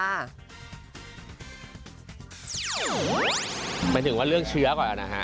หมายถึงว่าเรื่องเชื้อก่อนนะฮะ